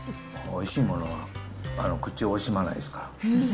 おいしいものは、口を惜しまないですから。